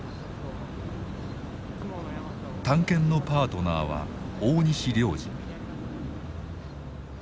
探検のパートナーは大西良治。